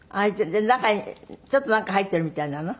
中にちょっとなんか入ってるみたいなの？